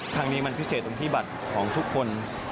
ทางนี้มันพิเศษตรงที่บัตรของทุกคน